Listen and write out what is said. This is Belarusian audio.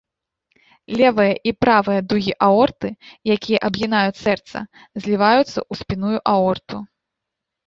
Левая і правая дугі аорты, якія абгінаюць сэрца, зліваюцца ў спінную аорту.